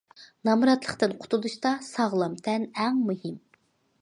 نامراتلىقتىن قۇتۇلۇشتا ساغلام تەن ئەڭ مۇھىم.